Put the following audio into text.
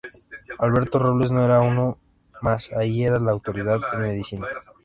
Alberto Robles no era uno más ahí, era la autoridad en medicina.